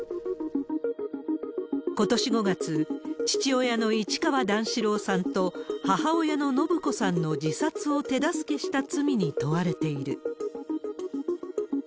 ことし５月、父親の市川段四郎さんと母親の延子さんの自殺を手助けした罪に問われている。